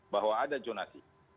bahwa ada jonasi